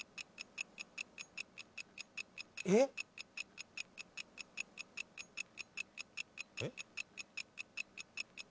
えっ。えっ？